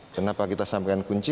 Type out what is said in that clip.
kenapa kita sampaikan kunci